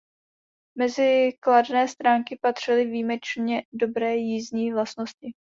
Mezi kladné stránky patřily výjimečně dobré jízdní vlastnosti.